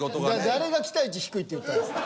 誰が期待値低いって言ったんですか。